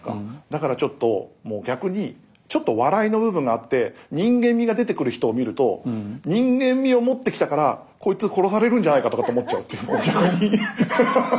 だからちょっと逆にちょっと笑いの部分があって人間味が出てくる人を見ると人間味を持ってきたからこいつ殺されるんじゃないかとかって思っちゃうっていう。